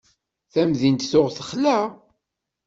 Tamdint tuɣ texla.